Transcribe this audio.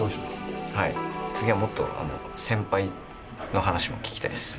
次はもっと先輩の話も聞きたいです。